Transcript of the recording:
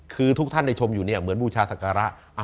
คือทุกท่านได้ชมอยู่เนี่ยเหมือนบูชาศักระ